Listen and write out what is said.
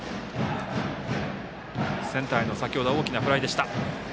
センターへの先ほどは大きなフライでした。